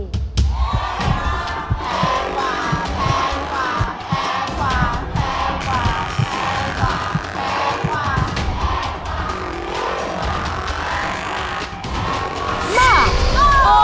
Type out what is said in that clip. มา